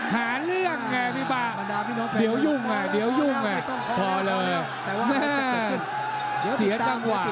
หาเรื่องไหมพี่บร่าเดี๋ยวยุ่งไงเดี๋ยวยุ่งไงแม่เสียจังหวะ